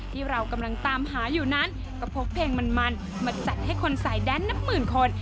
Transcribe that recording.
ที่เรากำลังตามหาอยู่นั้นก็พกเพลงมันมาจัดให้คนสายแดนนับหมื่นคน